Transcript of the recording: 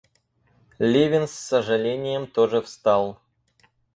Левин с сожалением тоже встал.